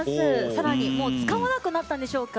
さらに使わなくなったんでしょうか。